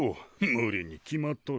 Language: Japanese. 無理に決まっとる。